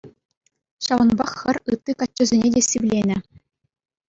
Ҫавӑнпах хӗр ытти каччӑсене те сивленӗ.